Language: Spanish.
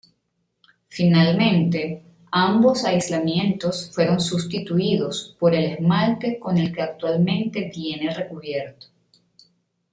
Finalmente, ambos aislamientos fueron sustituidos por el esmalte con el que actualmente viene recubierto.